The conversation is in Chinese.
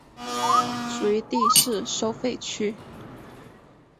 属于第四收费区。